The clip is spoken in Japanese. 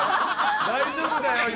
大丈夫だよ。